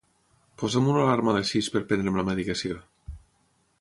Posa'm una alarma a les sis per prendre'm la medicació.